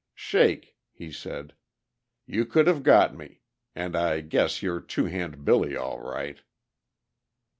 "Shake," he said. "You could have got me. And I guess you're Two Hand Billy, all right."